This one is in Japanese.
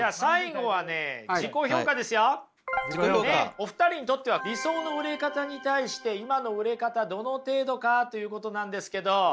お二人にとっては理想の売れ方に対して今の売れ方どの程度かということなんですけど。